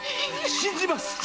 信じます！